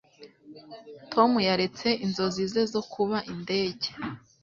Tom yaretse inzozi ze zo kuba indege.